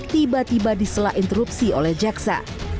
tiba tiba diselah interupsi oleh jaksa